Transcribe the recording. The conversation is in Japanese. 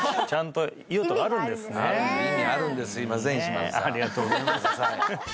ちゃんと用途があるんですね